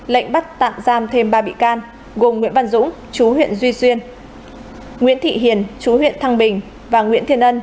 lệnh bắt tạm giam thêm ba bị can gồm nguyễn văn dũng chú huyện duy xuyên nguyễn thị hiền chú huyện thăng bình và nguyễn thiên ân